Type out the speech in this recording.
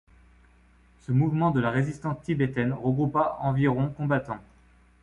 Ce mouvement de la résistance tibétaine regroupa environ combattants.